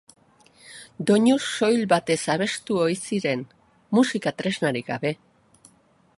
Doinu soil batez abestu ohi ziren, musika-tresnarik gabe.